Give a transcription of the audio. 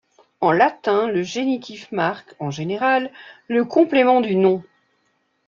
En latin, le génitif marque, en général, le complément du nom.